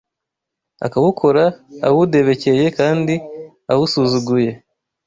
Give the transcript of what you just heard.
akawukora awudebekeye kandi awusuzuguye